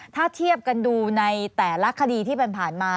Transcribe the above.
ถ้าเทียบกันดูในแต่ละคดีที่ผ่านมา